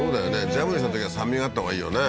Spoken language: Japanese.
ジャムにしたときは酸味があったほうがいいよね